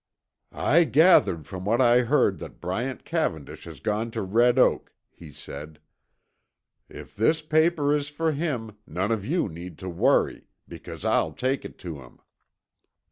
"I gathered from what I heard that Bryant Cavendish has gone to Red Oak," he said. "If this paper is for him, none of you need worry, because I'll take it to him."